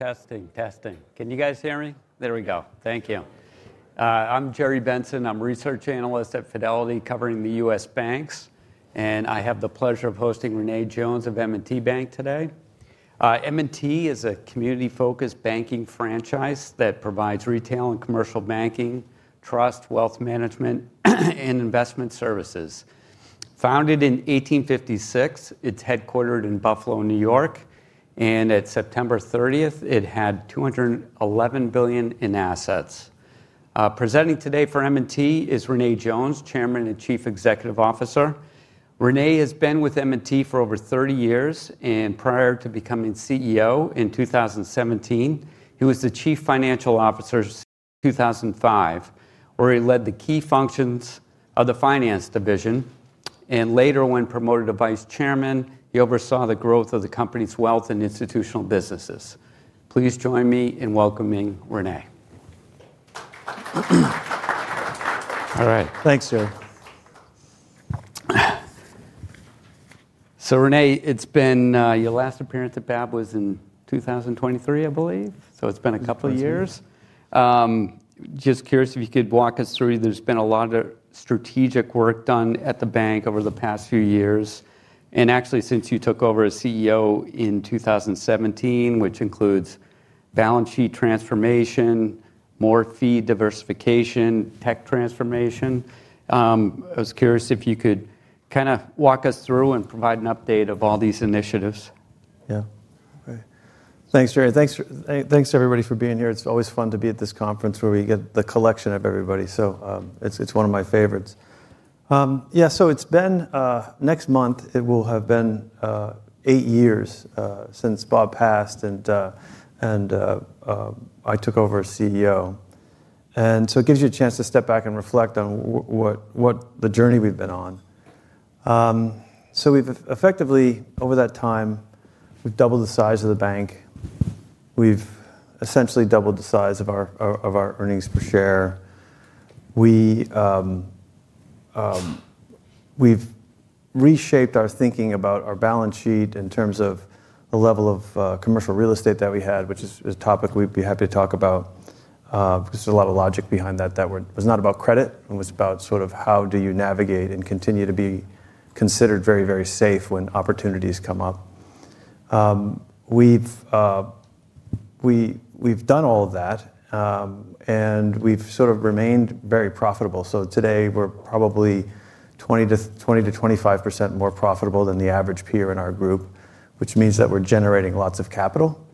Testing, testing. Can you guys hear me? There we go. Thank you. I'm Jerry Benson. I'm a Research Analyst at Fidelity covering the U.S. banks, and I have the pleasure of hosting René Jones of M&T Bank today. M&T is a community-focused banking franchise that provides retail and commercial banking, trust, wealth management, and investment services. Founded in 1856, it's headquartered in Buffalo, New York, and at September 30, it had $211 billion in assets. Presenting today for M&T is René Jones, Chairman and Chief Executive Officer. René has been with M&T for over 30 years, and prior to becoming CEO in 2017, he was the Chief Financial Officer in 2005, where he led the key functions of the finance division. Later, when promoted to Vice Chairman, he oversaw the growth of the company's wealth and institutional businesses. Please join me in welcoming René. All right. Thanks, Jerry. René, it's been your last appearance at Bob was in 2023, I believe. It's been a couple of years. Yes. Just curious if you could walk us through. There's been a lot of strategic work done at the bank over the past few years, and actually since you took over as CEO in 2017, which includes balance sheet transformation, more fee diversification, tech transformation. I was curious if you could kind of walk us through and provide an update of all these initiatives. Yeah. Thanks, Jerry. Thanks to everybody for being here. It's always fun to be at this conference where we get the collection of everybody. It's one of my favorites. Yeah. Next month, it will have been eight years since Bob passed, and I took over as CEO. It gives you a chance to step back and reflect on what the journey we've been on. We've effectively, over that time, doubled the size of the bank. We've essentially doubled the size of our earnings per share. We've reshaped our thinking about our balance sheet in terms of the level of commercial real estate that we had, which is a topic we'd be happy to talk about. There's a lot of logic behind that. That was not about credit. It was about sort of how do you navigate and continue to be considered very, very safe when opportunities come up. We have done all of that. And we have sort of remained very profitable. Today we are probably 20%-25% more profitable than the average peer in our group, which means that we are generating lots of capital.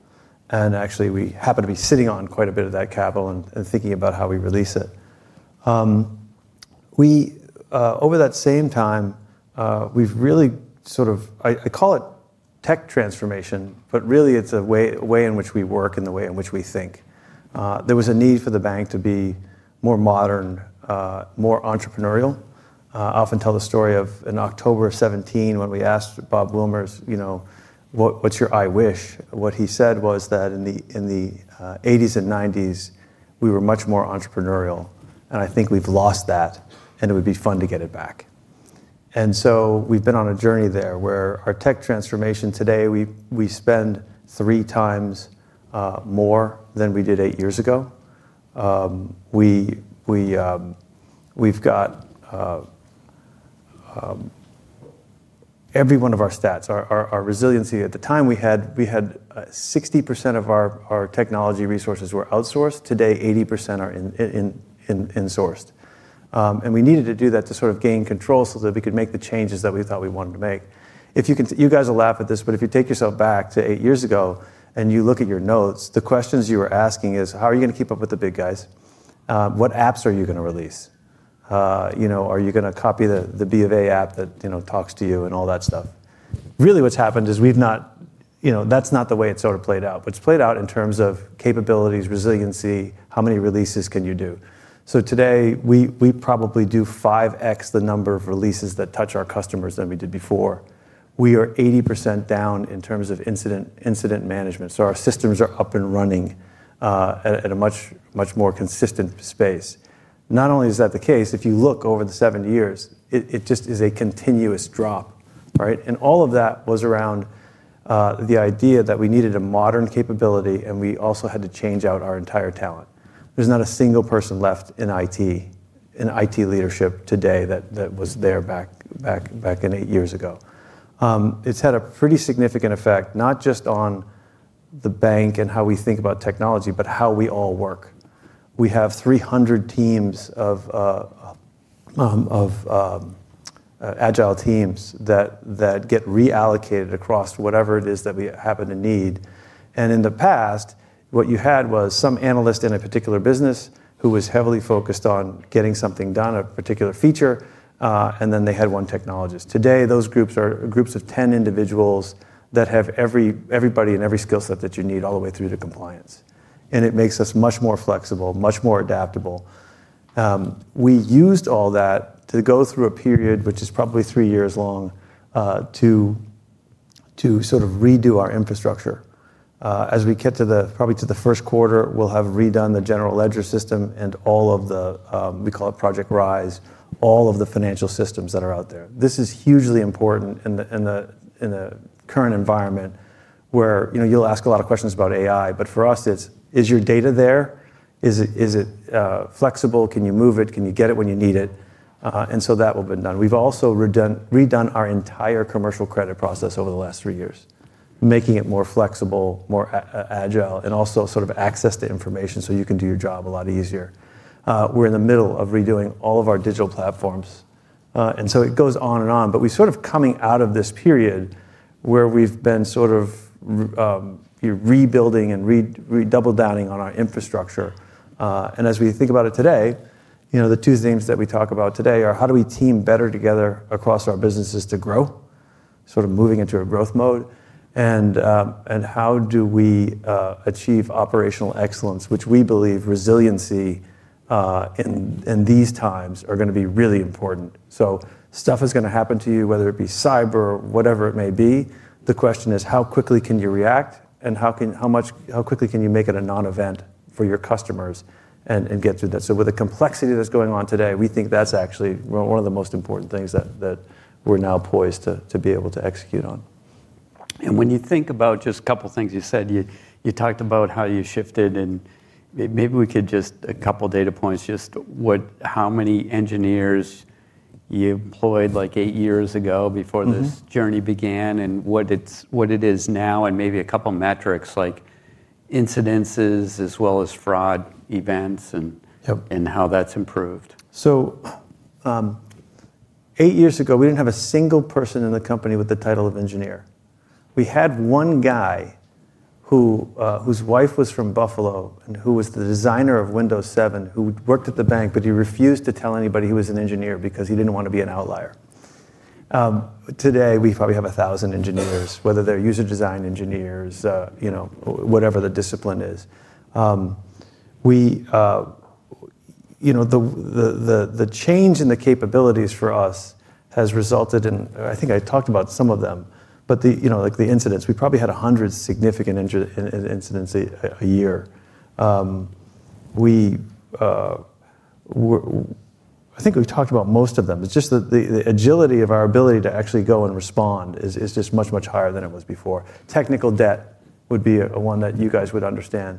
Actually, we happen to be sitting on quite a bit of that capital and thinking about how we release it. Over that same time, we have really sort of, I call it tech transformation, but really it is a way in which we work and the way in which we think. There was a need for the bank to be more modern. More entrepreneurial. I often tell the story of in October 2017, when we asked Bob Wilmers. What's your I wish?" What he said was that in the 1980s and 1990s, we were much more entrepreneurial, and I think we've lost that, and it would be fun to get it back. We have been on a journey there where our tech transformation today, we spend 3x more than we did eight years ago. We have every one of our stats, our resiliency. At the time, we had 60% of our technology resources outsourced. Today, 80% are insourced. We needed to do that to sort of gain control so that we could make the changes that we thought we wanted to make. You guys will laugh at this, but if you take yourself back to eight years ago and you look at your notes, the questions you were asking are, how are you going to keep up with the big guys? What apps are you going to release? Are you going to copy the B of A app that talks to you and all that stuff? Really, what's happened is we've not, that's not the way it sort of played out, but it's played out in terms of capabilities, resiliency, how many releases can you do? Today, we probably do 5x the number of releases that touch our customers than we did before. We are 80% down in terms of incident management. Our systems are up and running at a much more consistent pace. Not only is that the case, if you look over the seven years, it just is a continuous drop. All of that was around the idea that we needed a modern capability, and we also had to change out our entire talent. There's not a single person left in IT. Leadership today that was there back eight years ago. It's had a pretty significant effect, not just on the bank and how we think about technology, but how we all work. We have 300 teams of agile teams that get reallocated across whatever it is that we happen to need. In the past, what you had was some analyst in a particular business who was heavily focused on getting something done, a particular feature, and then they had one technologist. Today, those groups are groups of 10 individuals that have everybody in every skill set that you need all the way through to compliance. It makes us much more flexible, much more adaptable. We used all that to go through a period, which is probably three years long, to sort of redo our infrastructure. As we get to probably the first quarter, we'll have redone the general ledger system and all of the, we call it Project Rise, all of the financial systems that are out there. This is hugely important in the current environment where you'll ask a lot of questions about AI, but for us, it's, is your data there? Is it flexible? Can you move it? Can you get it when you need it? That will have been done. We've also redone our entire commercial credit process over the last three years, making it more flexible, more agile, and also sort of access to information so you can do your job a lot easier. We're in the middle of redoing all of our digital platforms. It goes on and on, but we're sort of coming out of this period where we've been sort of. Rebuilding and redouble-downing on our infrastructure. As we think about it today, the two themes that we talk about today are how do we team better together across our businesses to grow, sort of moving into a growth mode, and how do we achieve operational excellence, which we believe resiliency. In these times are going to be really important. Stuff is going to happen to you, whether it be cyber or whatever it may be. The question is, how quickly can you react and how quickly can you make it a non-event for your customers and get through that? With the complexity that's going on today, we think that's actually one of the most important things that we're now poised to be able to execute on. When you think about just a couple of things you said, you talked about how you shifted, and maybe we could just get a couple of data points, just how many engineers you employed like eight years ago before this journey began and what it is now, and maybe a couple of metrics like incidences as well as fraud events and how that's improved. Eight years ago, we did not have a single person in the company with the title of engineer. We had one guy whose wife was from Buffalo and who was the designer of Windows 7, who worked at the bank, but he refused to tell anybody he was an engineer because he did not want to be an outlier. Today, we probably have 1,000 engineers, whether they are user design engineers, whatever the discipline is. The change in the capabilities for us has resulted in, I think I talked about some of them, but like the incidents, we probably had 100 significant incidents a year. I think we have talked about most of them. It is just that the agility of our ability to actually go and respond is just much, much higher than it was before. Technical debt would be one that you guys would understand.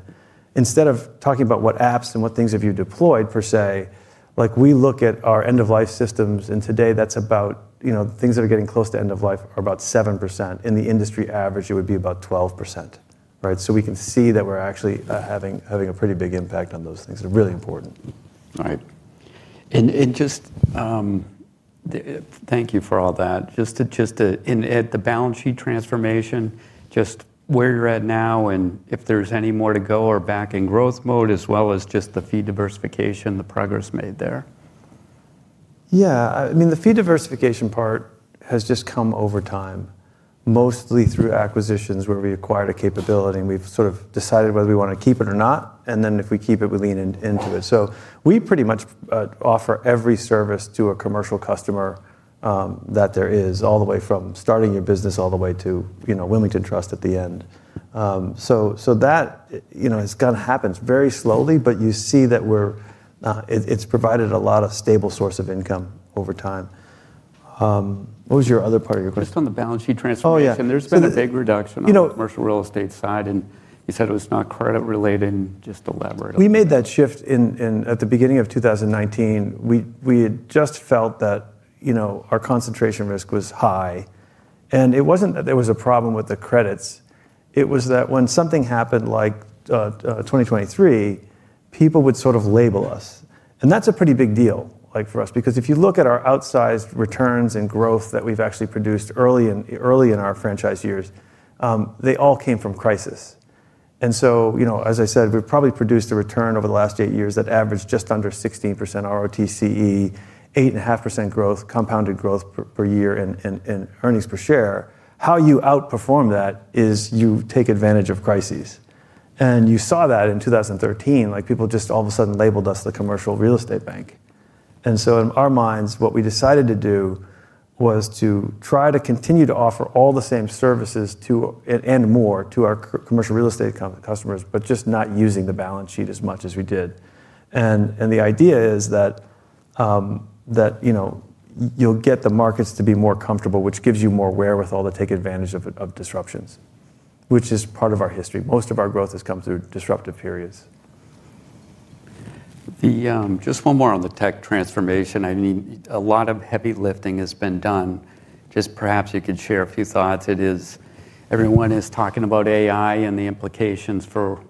Instead of talking about what apps and what things have you deployed, per se, like we look at our end-of-life systems, and today that's about things that are getting close to end-of-life are about 7%. In the industry average, it would be about 12%. So we can see that we're actually having a pretty big impact on those things. They're really important. All right. Thank you for all that. Just at the balance sheet transformation, just where you're at now and if there's any more to go or back in growth mode, as well as just the fee diversification, the progress made there. Yeah. I mean, the fee diversification part has just come over time, mostly through acquisitions where we acquired a capability. We've sort of decided whether we want to keep it or not. If we keep it, we lean into it. We pretty much offer every service to a commercial customer that there is, all the way from starting your business all the way to Wilmington Trust at the end. That has happened very slowly, but you see that it has provided a lot of stable source of income over time. What was your other part of your question? Just on the balance sheet transformation. There's been a big reduction on the commercial real estate side, and you said it was not credit-related, and just elaborate. We made that shift at the beginning of 2019. We had just felt that our concentration risk was high. It wasn't that there was a problem with the credits. It was that when something happened like 2023, people would sort of label us. That's a pretty big deal for us because if you look at our outsized returns and growth that we've actually produced early in our franchise years, they all came from crisis. As I said, we've probably produced a return over the last eight years that averaged just under 16% ROTCE, 8.5% compounded growth per year, and earnings per share. How you outperform that is you take advantage of crises. You saw that in 2013. People just all of a sudden labeled us the commercial real estate bank. In our minds, what we decided to do was to try to continue to offer all the same services and more to our commercial real estate customers, but just not using the balance sheet as much as we did. The idea is that you'll get the markets to be more comfortable, which gives you more wherewithal to take advantage of disruptions, which is part of our history. Most of our growth has come through disruptive periods. Just one more on the tech transformation. I mean, a lot of heavy lifting has been done. Just perhaps you could share a few thoughts. Everyone is talking about AI and the implications for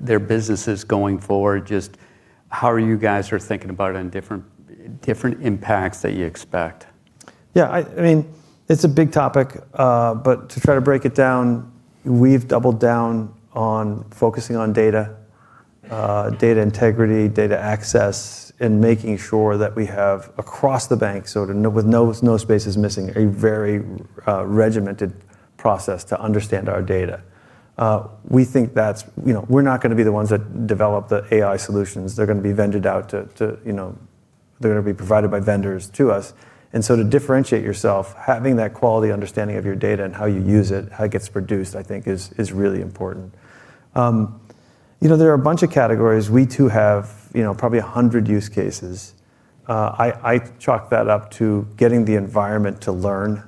their businesses going forward. Just how are you guys thinking about it and different impacts that you expect? Yeah. I mean, it's a big topic, but to try to break it down. We've doubled down on focusing on data, data integrity, data access, and making sure that we have across the bank, so with no spaces missing, a very regimented process to understand our data. We think that we're not going to be the ones that develop the AI solutions. They're going to be vendored out too. They're going to be provided by vendors to us. To differentiate yourself, having that quality understanding of your data and how you use it, how it gets produced, I think is really important. There are a bunch of categories. We too have probably 100 use cases. I chalk that up to getting the environment to learn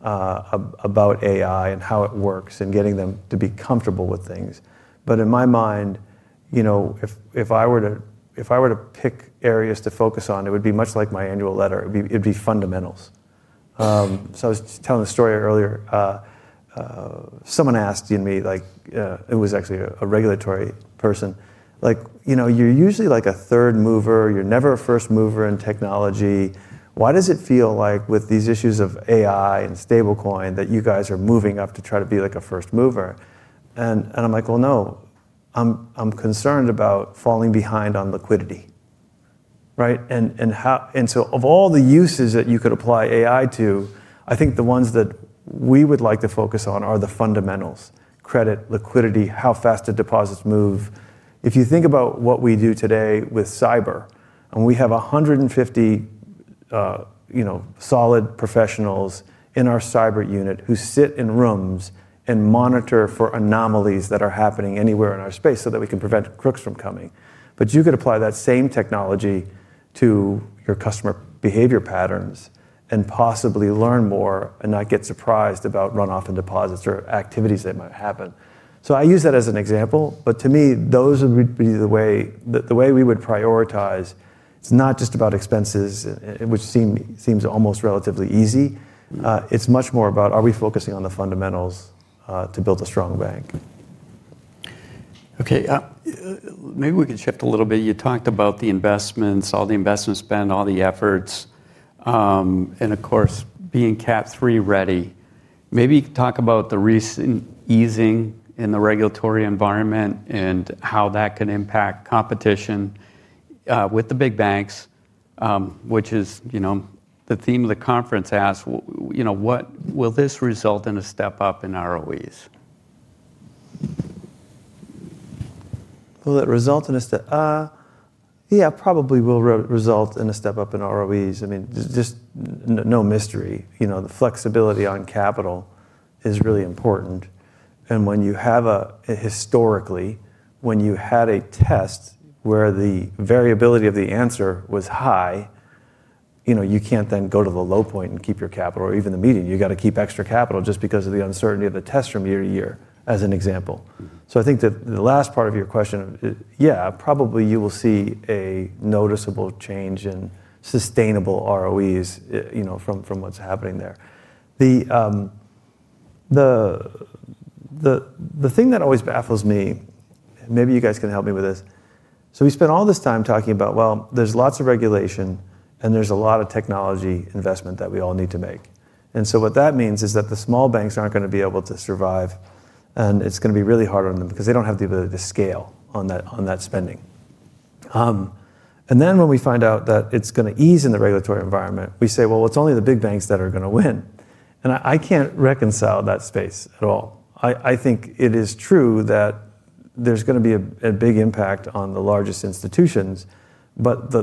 about AI and how it works and getting them to be comfortable with things. But in my mind. If I were to pick areas to focus on, it would be much like my annual letter. It'd be fundamentals. I was telling the story earlier. Someone asked me, it was actually a regulatory person, like, "You're usually like a third mover. You're never a first mover in technology. Why does it feel like with these issues of AI and stablecoin that you guys are moving up to try to be like a first mover?" I am concerned about falling behind on liquidity. Of all the uses that you could apply AI to, I think the ones that we would like to focus on are the fundamentals: credit, liquidity, how fast the deposits move. If you think about what we do today with cyber, and we have 150 solid professionals in our cyber unit who sit in rooms and monitor for anomalies that are happening anywhere in our space so that we can prevent crooks from coming. You could apply that same technology to your customer behavior patterns and possibly learn more and not get surprised about runoff and deposits or activities that might happen. I use that as an example, but to me, those would be the way we would prioritize. It's not just about expenses, which seems almost relatively easy. It's much more about, are we focusing on the fundamentals to build a strong bank? Okay. Maybe we could shift a little bit. You talked about the investments, all the investment spend, all the efforts. Of course, being CAT III ready. Maybe talk about the recent easing in the regulatory environment and how that can impact competition. With the big banks, which is the theme of the conference, asked, will this result in a step up in ROEs? Will it result in a step? Yeah, it probably will result in a step up in ROEs. I mean, just no mystery. The flexibility on capital is really important. When you have a historically, when you had a test where the variability of the answer was high, you can't then go to the low point and keep your capital or even the median. You've got to keep extra capital just because of the uncertainty of the test from year to year, as an example. I think the last part of your question, yeah, probably you will see a noticeable change in sustainable ROEs from what's happening there. The thing that always baffles me, and maybe you guys can help me with this. We spent all this time talking about, well, there's lots of regulation and there's a lot of technology investment that we all need to make. What that means is that the small banks are not going to be able to survive, and it is going to be really hard on them because they do not have the ability to scale on that spending. When we find out that it is going to ease in the regulatory environment, we say, well, it is only the big banks that are going to win. I cannot reconcile that space at all. I think it is true that there is going to be a big impact on the largest institutions, but the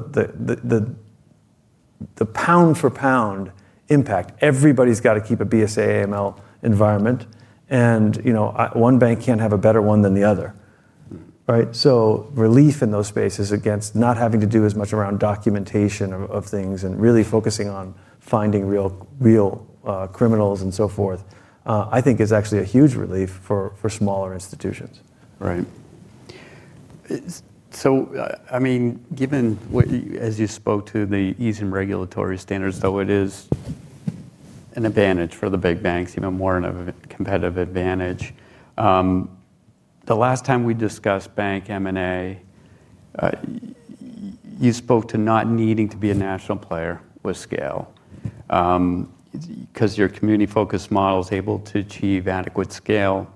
pound-for-pound impact, everybody has to keep a BSA/AML environment. One bank cannot have a better one than the other. Relief in those spaces against not having to do as much around documentation of things and really focusing on finding real criminals and so forth, I think is actually a huge relief for smaller institutions. Right. I mean, given as you spoke to the ease in regulatory standards, though, it is an advantage for the big banks, even more of a competitive advantage. The last time we discussed bank M&A, you spoke to not needing to be a national player with scale because your community-focused model is able to achieve adequate scale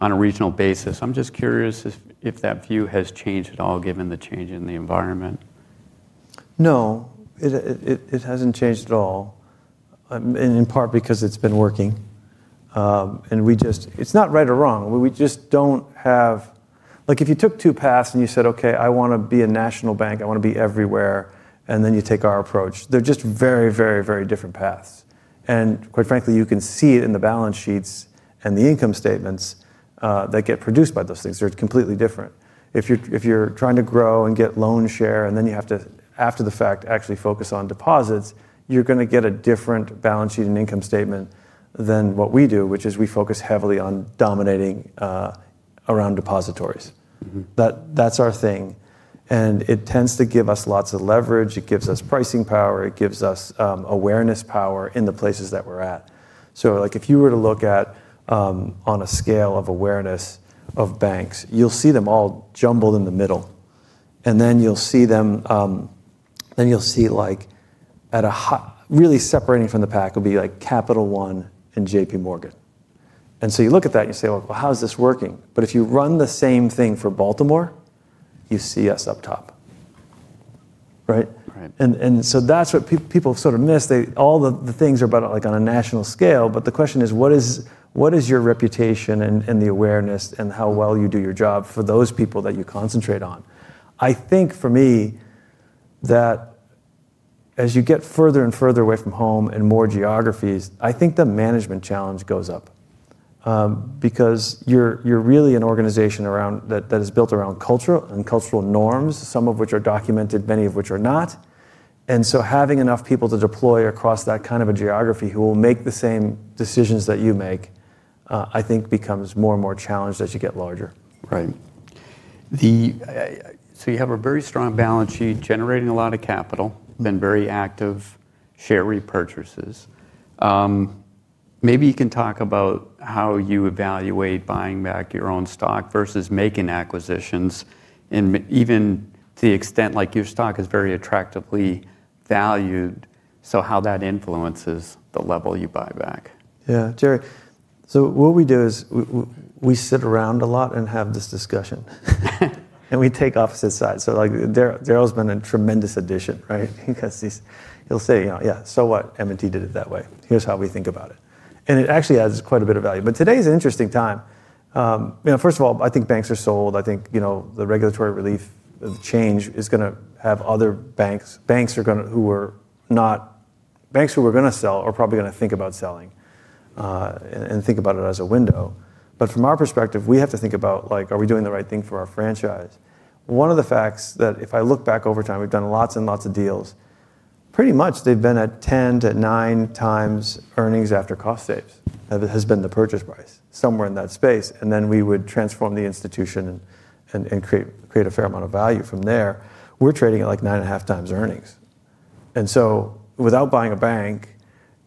on a regional basis. I'm just curious if that view has changed at all given the change in the environment. No. It hasn't changed at all. In part because it's been working. And it's not right or wrong. We just don't have, like if you took two paths and you said, "Okay, I want to be a national bank. I want to be everywhere," and then you take our approach, they're just very, very, very different paths. Quite frankly, you can see it in the balance sheets and the income statements that get produced by those things. They're completely different. If you're trying to grow and get loan share and then you have to, after the fact, actually focus on deposits, you're going to get a different balance sheet and income statement than what we do, which is we focus heavily on dominating. Around depositories. That's our thing. It tends to give us lots of leverage. It gives us pricing power. It gives us awareness power in the places that we're at. If you were to look at, on a scale of awareness of banks, you'll see them all jumbled in the middle. You see, really separating from the pack will be like Capital One and JPMorgan. You look at that and you say, "How is this working?" If you run the same thing for Baltimore, you see us up top. That is what people sort of miss. All the things are about on a national scale, but the question is, what is your reputation and the awareness and how well you do your job for those people that you concentrate on? I think for me, as you get further and further away from home and more geographies, I think the management challenge goes up. Because you're really an organization that is built around culture and cultural norms, some of which are documented, many of which are not. Having enough people to deploy across that kind of a geography who will make the same decisions that you make, I think becomes more and more challenged as you get larger. Right. You have a very strong balance sheet generating a lot of capital, been very active, share repurchases. Maybe you can talk about how you evaluate buying back your own stock versus making acquisitions and even to the extent like your stock is very attractively valued, how that influences the level you buy back. Yeah, Jerry. What we do is we sit around a lot and have this discussion. We take opposite sides. Daryl's been a tremendous addition, right? Because he'll say, "Yeah, so what? M&T did it that way. Here's how we think about it." It actually adds quite a bit of value. Today is an interesting time. First of all, I think banks are sold. I think the regulatory relief of change is going to have other banks who were not, banks who were going to sell, are probably going to think about selling. Think about it as a window. From our perspective, we have to think about, are we doing the right thing for our franchise? One of the facts that if I look back over time, we've done lots and lots of deals, pretty much they've been at 10x-9x earnings after cost saves. That has been the purchase price, somewhere in that space. Then we would transform the institution and create a fair amount of value from there. We're trading at like 9.5x earnings. Without buying a bank,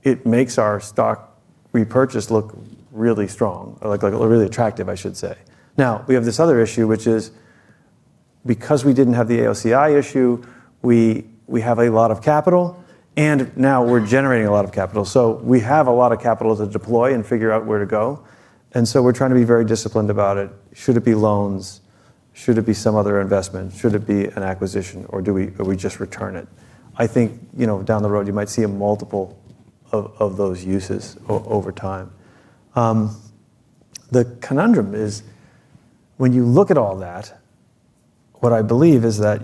it makes our stock repurchase look really strong, really attractive, I should say. Now, we have this other issue, which is, because we didn't have the AOCI issue, we have a lot of capital, and now we're generating a lot of capital. We have a lot of capital to deploy and figure out where to go. We're trying to be very disciplined about it. Should it be loans? Should it be some other investment? Should it be an acquisition? Or do we just return it? I think down the road, you might see multiple of those uses over time. The conundrum is when you look at all that. What I believe is that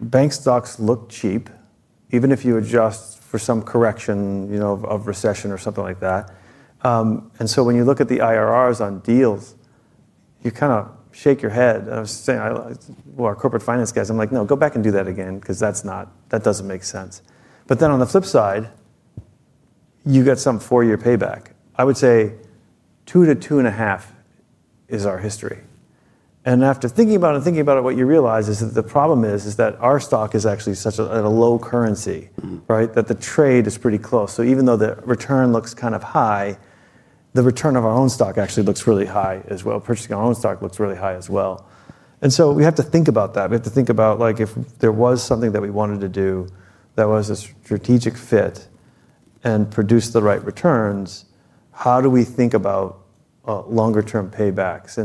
bank stocks look cheap, even if you adjust for some correction of recession or something like that. When you look at the IRRs on deals, you kind of shake your head. I was saying, well, our corporate finance guys, I'm like, no, go back and do that again because that does not make sense. On the flip side, you get some four-year payback. I would say two to two and a half is our history. After thinking about it and thinking about it, what you realize is that the problem is that our stock is actually such a low currency, right? That the trade is pretty close. Even though the return looks kind of high. The return of our own stock actually looks really high as well. Purchasing our own stock looks really high as well. We have to think about that. We have to think about if there was something that we wanted to do that was a strategic fit and produced the right returns, how do we think about longer-term paybacks?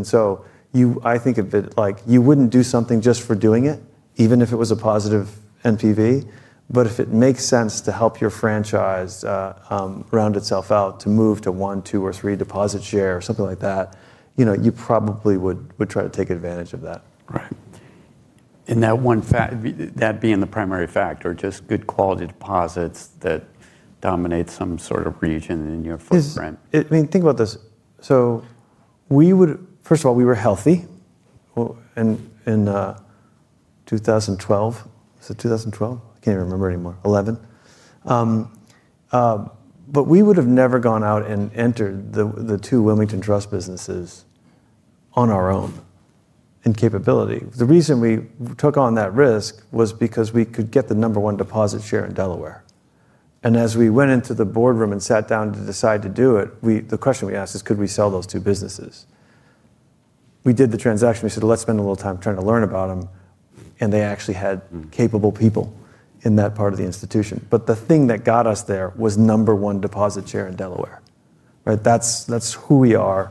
I think of it like you would not do something just for doing it, even if it was a positive NPV, but if it makes sense to help your franchise round itself out to move to one, two, or three deposit share or something like that, you probably would try to take advantage of that. Right. That being the primary factor, just good quality deposits that dominate some sort of region in your footprint. I mean, think about this. First of all, we were healthy. In 2012. Was it 2012? I can't even remember anymore. 2011. We would have never gone out and entered the two Wilmington Trust businesses on our own in capability. The reason we took on that risk was because we could get the number one deposit share in Delaware. As we went into the boardroom and sat down to decide to do it, the question we asked is, could we sell those two businesses? We did the transaction. We said, let's spend a little time trying to learn about them. They actually had capable people in that part of the institution. The thing that got us there was number one deposit share in Delaware. That's who we are.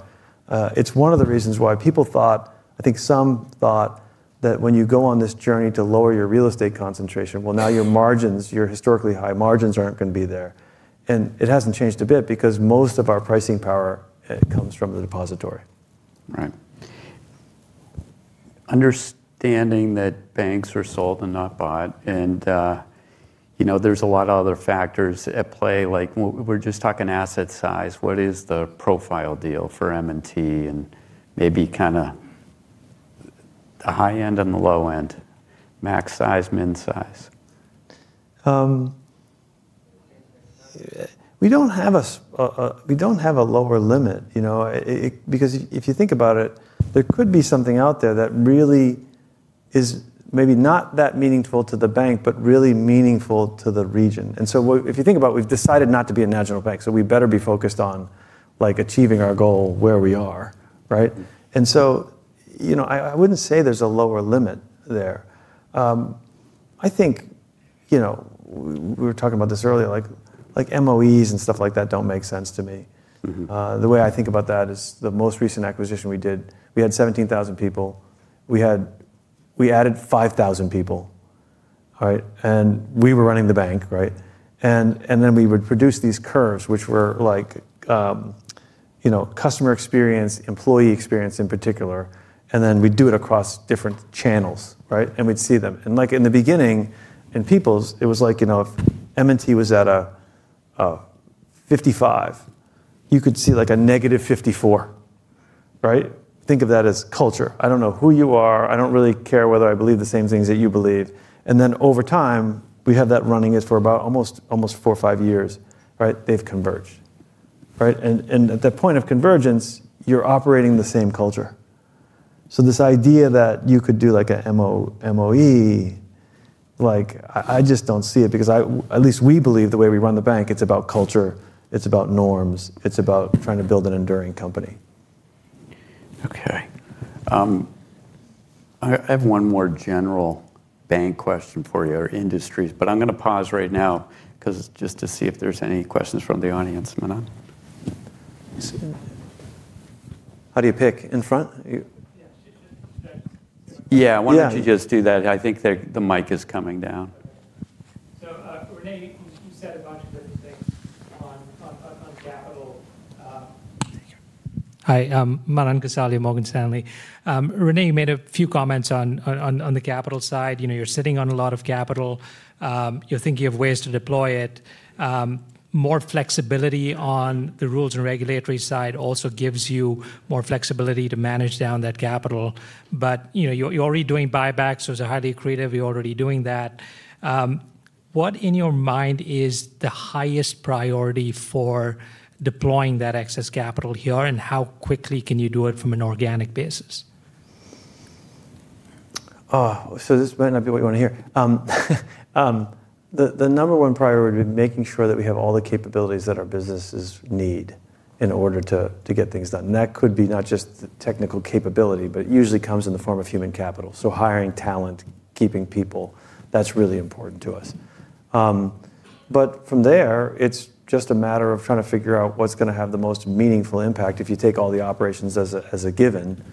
It's one of the reasons why people thought, I think some thought that when you go on this journey to lower your real estate concentration, your margins, your historically high margins, aren't going to be there. It hasn't changed a bit because most of our pricing power comes from the depository. Right. Understanding that banks are sold and not bought. There is a lot of other factors at play. We are just talking asset size. What is the profile deal for M&T and maybe kind of the high end and the low end, max size, min size? We don't have a lower limit. Because if you think about it, there could be something out there that really is maybe not that meaningful to the bank, but really meaningful to the region. If you think about it, we've decided not to be a national bank, so we better be focused on achieving our goal where we are. I wouldn't say there's a lower limit there. I think we were talking about this earlier, like MOEs and stuff like that don't make sense to me. The way I think about that is the most recent acquisition we did, we had 17,000 people. We added 5,000 people. We were running the bank. Then we would produce these curves, which were customer experience, employee experience in particular. Then we'd do it across different channels. We'd see them. In the beginning, in Peoples, it was like if M&T was at a 55, you could see like a negative 54. Think of that as culture. I do not know who you are. I do not really care whether I believe the same things that you believe. Over time, we had that running for about almost four or five years. They have converged. At the point of convergence, you are operating the same culture. This idea that you could do like an MOE, I just do not see it because at least we believe the way we run the bank, it is about culture, it is about norms, it is about trying to build an enduring company. Okay. I have one more general bank question for you or industries, but I'm going to pause right now just to see if there's any questions from the audience. How do you pick in front? Yeah, why don't you just do that? I think the mic is coming down. René, you said a bunch of great things on capital. Hi, I'm Manan Gosalia of Morgan Stanley. René made a few comments on the capital side. You're sitting on a lot of capital. You're thinking of ways to deploy it. More flexibility on the rules and regulatory side also gives you more flexibility to manage down that capital. You're already doing buybacks, so it's highly accretive. You're already doing that. What in your mind is the highest priority for deploying that excess capital here and how quickly can you do it from an organic basis? This might not be what you want to hear. The number one priority would be making sure that we have all the capabilities that our businesses need in order to get things done. That could be not just technical capability, but it usually comes in the form of human capital. Hiring talent, keeping people, that's really important to us. From there, it's just a matter of trying to figure out what's going to have the most meaningful impact if you take all the operations as a given.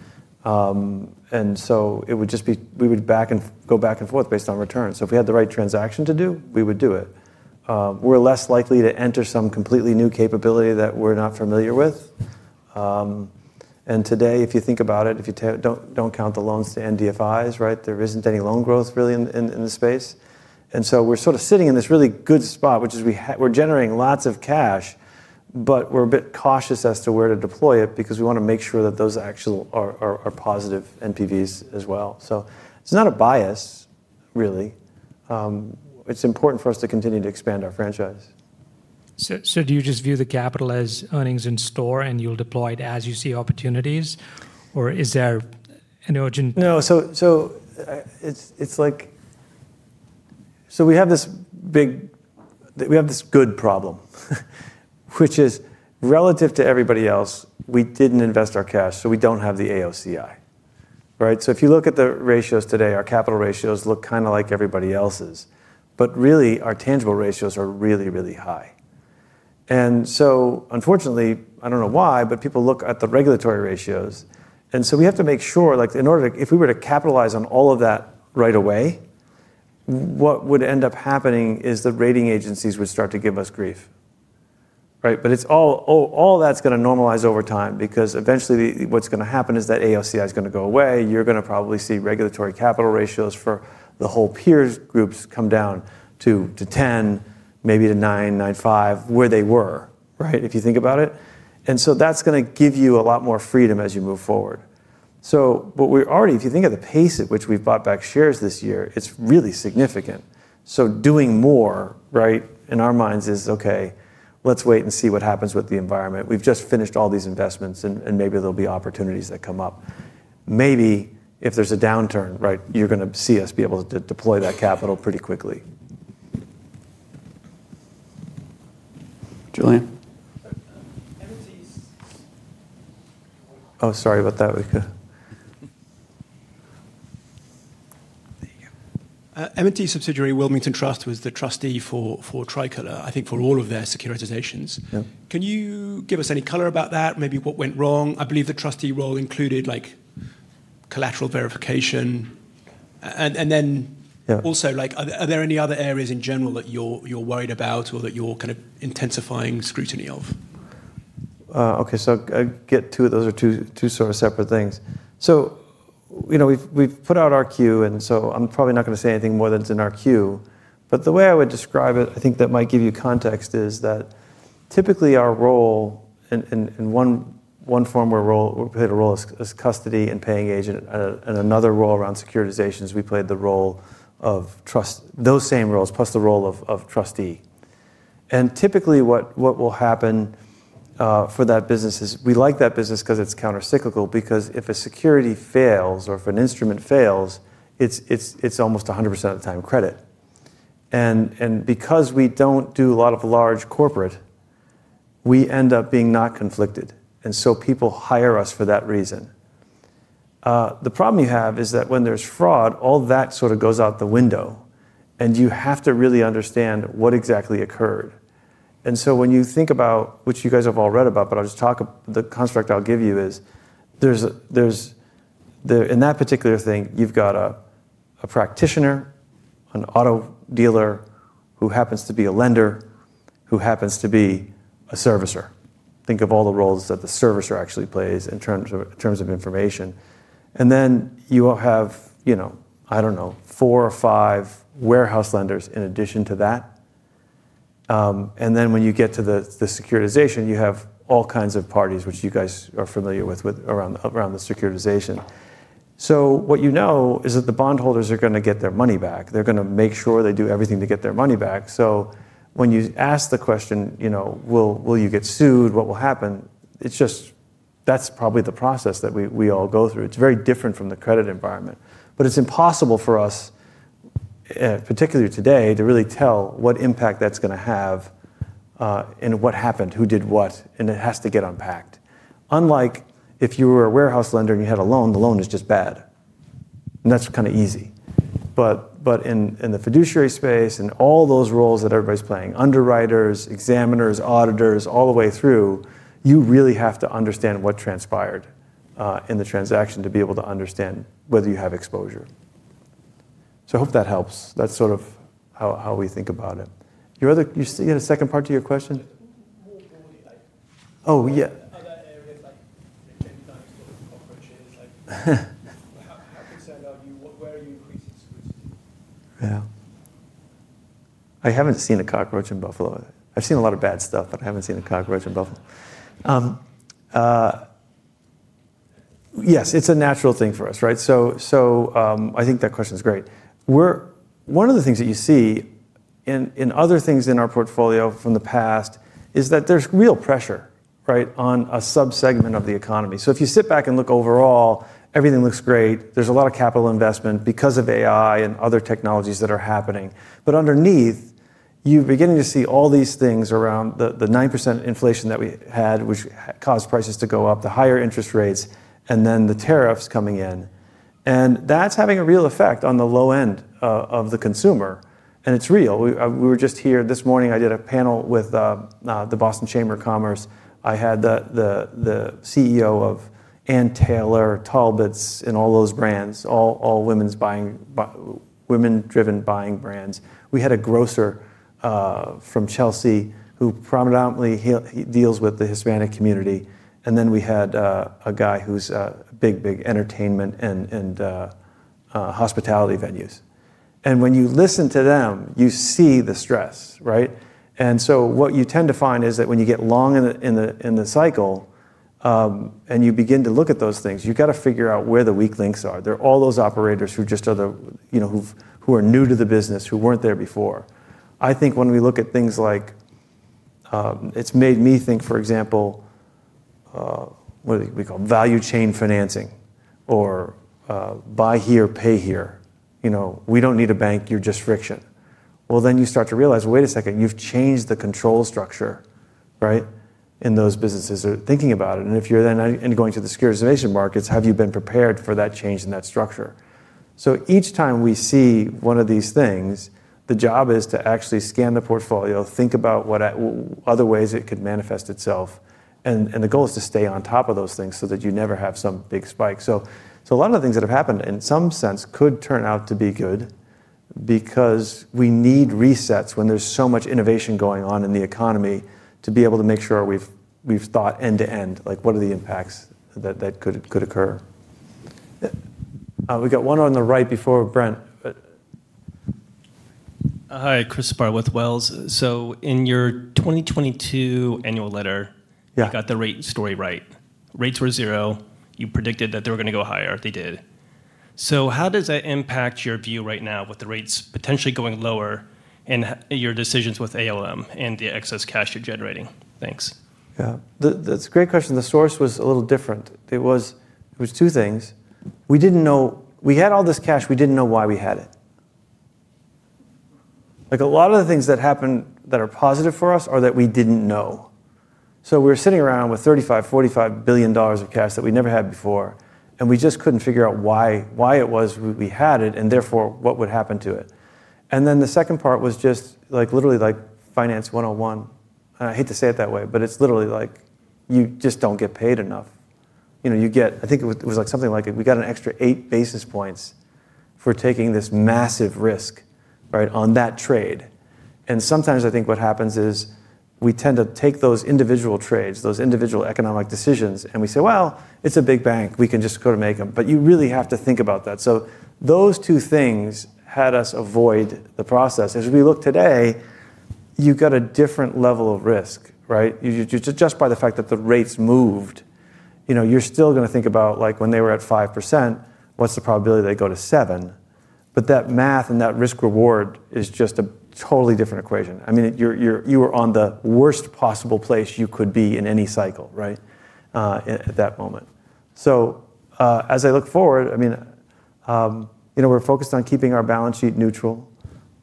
It would just be we would go back and forth based on return. If we had the right transaction to do, we would do it. We're less likely to enter some completely new capability that we're not familiar with. Today, if you think about it, if you do not count the loans to NDFIs, there is not any loan growth really in the space. We are sort of sitting in this really good spot, which is we are generating lots of cash, but we are a bit cautious as to where to deploy it because we want to make sure that those actually are positive NPVs as well. It is not a bias, really. It is important for us to continue to expand our franchise. Do you just view the capital as earnings in store and you'll deploy it as you see opportunities? Or is there an urgent? No. We have this big, good problem, which is relative to everybody else, we didn't invest our cash, so we don't have the AOCI. If you look at the ratios today, our capital ratios look kind of like everybody else's, but really our tangible ratios are really, really high. Unfortunately, I don't know why, but people look at the regulatory ratios. We have to make sure in order to, if we were to capitalize on all of that right away, what would end up happening is the rating agencies would start to give us grief. All that's going to normalize over time because eventually what's going to happen is that AOCI is going to go away. You're going to probably see regulatory capital ratios for the whole peers groups come down to 10x, maybe to 9x-9.5x, where they were, if you think about it. That's going to give you a lot more freedom as you move forward. What we already, if you think of the pace at which we've bought back shares this year, it's really significant. Doing more in our minds is, okay, let's wait and see what happens with the environment. We've just finished all these investments and maybe there'll be opportunities that come up. Maybe if there's a downturn, you're going to see us be able to deploy that capital pretty quickly. Julian? Oh, sorry about that. M&T subsidiary Wilmington Trust was the trustee for Tricolor, I think for all of their securitizations. Can you give us any color about that? Maybe what went wrong? I believe the trustee role included collateral verification. Are there any other areas in general that you're worried about or that you're kind of intensifying scrutiny of? Okay, I get two of those are two sort of separate things. We've put out our queue, and I'm probably not going to say anything more than it's in our queue. The way I would describe it, I think that might give you context, is that typically our role, in one form, we played a role as custody and paying agent. In another role around securitizations, we played the role of trust, those same roles, plus the role of trustee. Typically what will happen for that business is we like that business because it's countercyclical, because if a security fails or if an instrument fails, it's almost 100% of the time credit. Because we don't do a lot of large corporate, we end up being not conflicted. People hire us for that reason. The problem you have is that when there's fraud, all that sort of goes out the window, and you have to really understand what exactly occurred. When you think about, which you guys have all read about, but I'll just talk about the construct I'll give you is. In that particular thing, you've got a practitioner, an auto dealer who happens to be a lender, who happens to be a servicer. Think of all the roles that the servicer actually plays in terms of information. You have, I don't know, four or five warehouse lenders in addition to that. When you get to the securitization, you have all kinds of parties, which you guys are familiar with around the securitization. What you know is that the bondholders are going to get their money back. They're going to make sure they do everything to get their money back. When you ask the question, will you get sued, what will happen, it's just that's probably the process that we all go through. It's very different from the credit environment. It's impossible for us, particularly today, to really tell what impact that's going to have. What happened, who did what, and it has to get unpacked. Unlike if you were a warehouse lender and you had a loan, the loan is just bad. That's kind of easy. In the fiduciary space and all those roles that everybody's playing, underwriters, examiners, auditors, all the way through, you really have to understand what transpired in the transaction to be able to understand whether you have exposure. I hope that helps. That's sort of how we think about it. You see a second part to your question? What would it be like? Oh, yeah. Are there areas like any kind of cockroaches? How percent are you? Where are you increasing security? Yeah. I haven't seen a cockroach in Buffalo. I've seen a lot of bad stuff, but I haven't seen a cockroach in Buffalo. Yes, it's a natural thing for us. I think that question is great. One of the things that you see in other things in our portfolio from the past is that there's real pressure on a subsegment of the economy. If you sit back and look overall, everything looks great. There's a lot of capital investment because of AI and other technologies that are happening. Underneath, you're beginning to see all these things around the 9% inflation that we had, which caused prices to go up, the higher interest rates, and then the tariffs coming in. That's having a real effect on the low end of the consumer. It's real. We were just here this morning. I did a panel with the Boston Chamber of Commerce. I had the CEO of Ann Taylor, Talbots, and all those brands, all women-driven buying brands. We had a grocer from Chelsea who predominantly deals with the Hispanic community. We had a guy who's a big, big entertainment and hospitality venues. When you listen to them, you see the stress. What you tend to find is that when you get long in the cycle and you begin to look at those things, you've got to figure out where the weak links are. There are all those operators who just are new to the business, who weren't there before. I think when we look at things like, it's made me think, for example, what do we call value chain financing or buy here, pay here. We don't need a bank, you're just friction. Then you start to realize, wait a second, you've changed the control structure in those businesses or thinking about it. If you're then going to the securitization markets, have you been prepared for that change in that structure? Each time we see one of these things, the job is to actually scan the portfolio, think about other ways it could manifest itself. The goal is to stay on top of those things so that you never have some big spike. A lot of the things that have happened in some sense could turn out to be good, because we need resets when there's so much innovation going on in the economy to be able to make sure we've thought end to end, like what are the impacts that could occur. We got one on the right before Brent. Hi, Chris Spahr with Wells. In your 2022 annual letter, you got the rate story right. Rates were zero. You predicted that they were going to go higher. They did. How does that impact your view right now with the rates potentially going lower and your decisions with ALM and the excess cash you're generating? Thanks. Yeah, that's a great question. The source was a little different. There were two things. We had all this cash, we didn't know why we had it. A lot of the things that happened that are positive for us are that we didn't know. We were sitting around with $35 billion-$45 billion of cash that we never had before, and we just couldn't figure out why it was we had it and therefore what would happen to it. The second part was just literally like finance 101. I hate to say it that way, but it's literally like you just don't get paid enough. I think it was something like we got an extra 8 basis points for taking this massive risk on that trade. Sometimes I think what happens is we tend to take those individual trades, those individual economic decisions, and we say, well, it's a big bank, we can just go to make them. You really have to think about that. Those two things had us avoid the process. As we look today, you've got a different level of risk just by the fact that the rates moved. You're still going to think about when they were at 5%, what's the probability they go to 7%? That math and that risk-reward is just a totally different equation. I mean, you were on the worst possible place you could be in any cycle at that moment. As I look forward, we're focused on keeping our balance sheet neutral.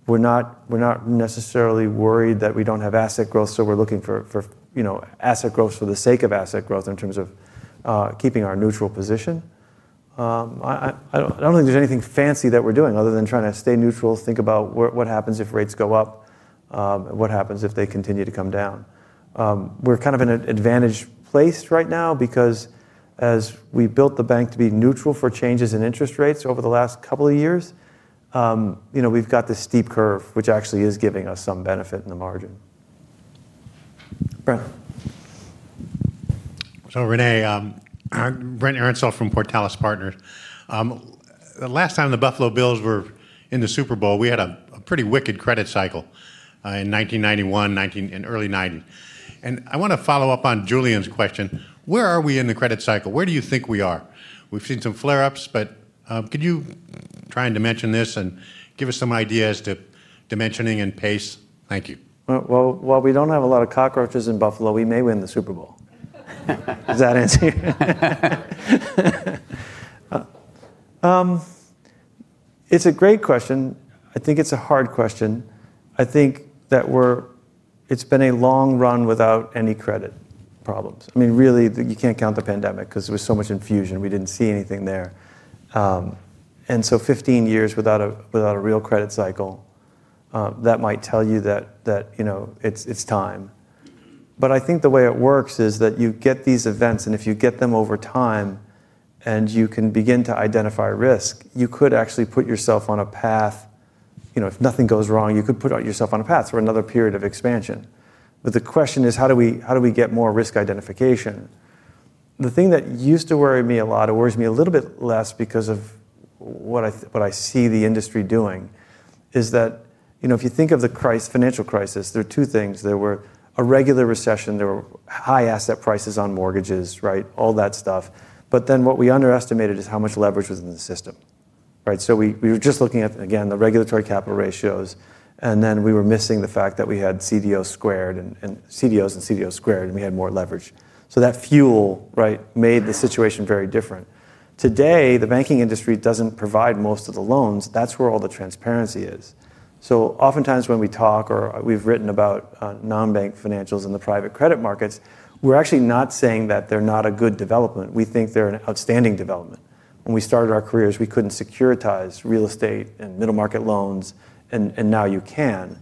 We're not necessarily worried that we don't have asset growth, so we're looking for. Asset growth for the sake of asset growth in terms of keeping our neutral position. I don't think there's anything fancy that we're doing other than trying to stay neutral, think about what happens if rates go up. What happens if they continue to come down. We're kind of in an advantaged place right now because as we built the bank to be neutral for changes in interest rates over the last couple of years. We've got this steep curve, which actually is giving us some benefit in the margin. René, Brent Aaronson from Portales Partners. The last time the Buffalo Bills were in the Super Bowl, we had a pretty wicked credit cycle in 1991, early 1990s. I want to follow up on Julian's question. Where are we in the credit cycle? Where do you think we are? We've seen some flare-ups, but could you try and dimension this and give us some ideas to dimensioning and pace? Thank you. While we don't have a lot of cockroaches in Buffalo, we may win the Super Bowl. Does that answer your question? It's a great question. I think it's a hard question. I think that it's been a long run without any credit problems. I mean, really, you can't count the pandemic because there was so much infusion. We didn't see anything there. And 15 years without a real credit cycle. That might tell you that it's time. I think the way it works is that you get these events, and if you get them over time and you can begin to identify risk, you could actually put yourself on a path. If nothing goes wrong, you could put yourself on a path for another period of expansion. The question is, how do we get more risk identification? The thing that used to worry me a lot, it worries me a little bit less because of what I see the industry doing, is that if you think of the financial crisis, there were two things. There were a regular recession, there were high asset prices on mortgages, all that stuff. What we underestimated is how much leverage was in the system. We were just looking at, again, the regulatory capital ratios, and we were missing the fact that we had CDOs squared, and CDOs and CDOs squared, and we had more leverage. That fuel made the situation very different. Today, the banking industry does not provide most of the loans. That is where all the transparency is. Oftentimes when we talk or we have written about non-bank financials in the private credit markets, we are actually not saying that they are not a good development. We think they're an outstanding development. When we started our careers, we couldn't securitize real estate and middle market loans, and now you can.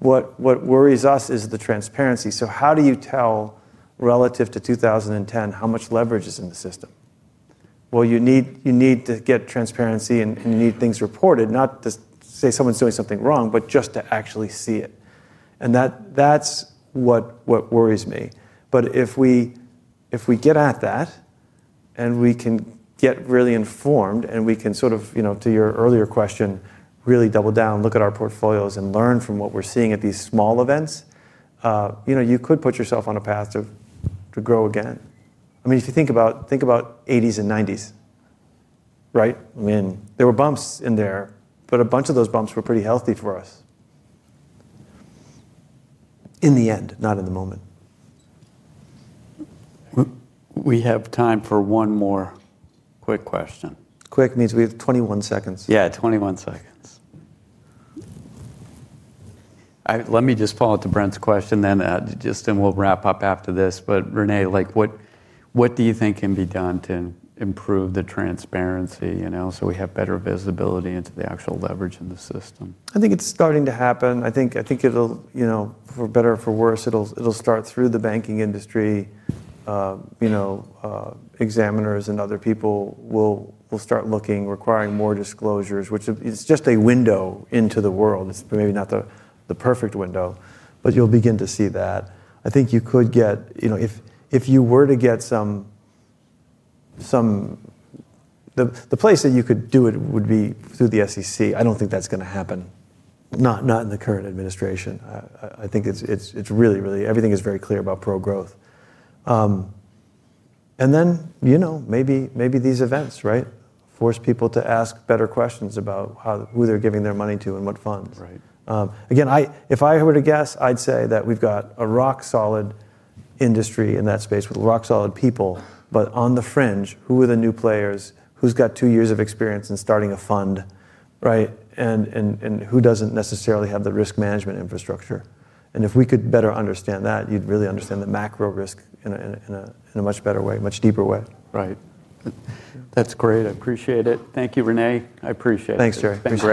What worries us is the transparency. How do you tell? Relative to 2010, how much leverage is in the system? You need to get transparency and you need things reported, not to say someone's doing something wrong, but just to actually see it. That's what worries me. If we get at that and we can get really informed and we can sort of, to your earlier question, really double down, look at our portfolios and learn from what we're seeing at these small events, you could put yourself on a path to grow again. I mean, if you think about the 1980s and 1990s, there were bumps in there, but a bunch of those bumps were pretty healthy for us. In the end, not in the moment. We have time for one more quick question. Quick means we have 21 seconds. Yeah, 21 seconds. Let me just follow up to Brent's question then, just then we'll wrap up after this. René, what do you think can be done to improve the transparency so we have better visibility into the actual leverage in the system? I think it's starting to happen. I think for better or for worse, it'll start through the banking industry. Examiners and other people will start looking, requiring more disclosures, which is just a window into the world. It's maybe not the perfect window, but you'll begin to see that. I think you could get, if you were to get some. The place that you could do it would be through the SEC. I don't think that's going to happen. Not in the current administration. I think it's really, really, everything is very clear about pro-growth. Maybe these events force people to ask better questions about who they're giving their money to and what funds. Again, if I were to guess, I'd say that we've got a rock-solid industry in that space with rock-solid people, but on the fringe, who are the new players, who's got two years of experience in starting a fund, and who doesn't necessarily have the risk management infrastructure? If we could better understand that, you'd really understand the macro risk in a much better way, much deeper way. Right. That's great. I appreciate it. Thank you, René. I appreciate it. Thanks, Jerry. Thanks.